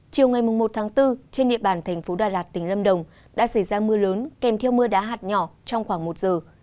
chiều ngày một bốn trên địa bàn tp đà lạt tỉnh lâm đồng đã xảy ra mưa lớn kèm theo mưa đá hạt nhỏ trong khoảng một giờ